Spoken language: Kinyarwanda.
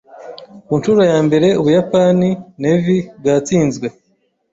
Ku nshuro ya mbere, Ubuyapani Navy bwatsinzwe.